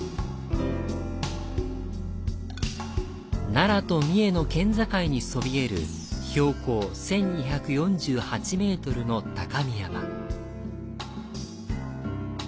奈良と三重の県境にそびえる標高１２４８ｍの高見山。